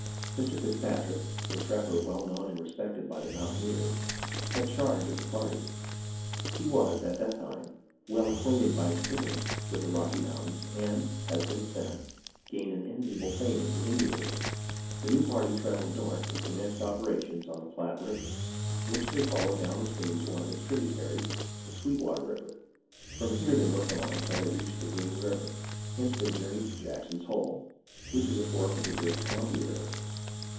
Mr. Fitzpatrick, a trapper well known and respected by the mountaineers, had charge of the party. He was, at that time, well acquainted by experience with the Rocky Mountains, and has, since then, gained an enviable fame as an Indian Agent. The new party travelled North and commenced operations on the Platte River, which they followed down stream to one of its tributaries, the Sweet Water River. From here they worked on until they reached the Green River. Hence they journeyed to Jackson's Hole, which is a fork of the Great Columbia River.